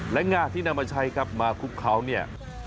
และงาที่นางมาใช้มาคุบเขาเนี่ย